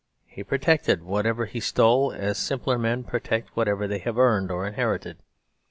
He protected whatever he stole as simpler men protect whatever they have earned or inherited.